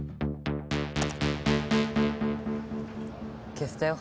消せたよ